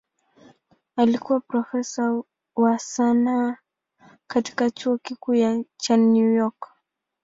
Alikuwa profesa wa sanaa katika Chuo Kikuu cha New York.